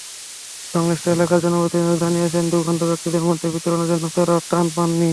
সংশ্লিষ্ট এলাকার জনপ্রতিনিধিরা জানিয়েছেন, দুর্গত ব্যক্তিদের মধ্যে বিতরণের জন্য তাঁরা ত্রাণ পাননি।